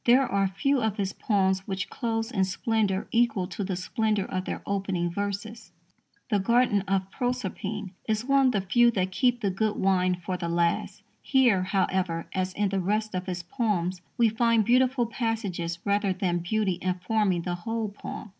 There are few of his poems which close in splendour equal to the splendour of their opening verses. The Garden of Proserpine is one of the few that keep the good wine for the last. Here, however, as in the rest of his poems, we find beautiful passages rather than beauty informing the whole poem.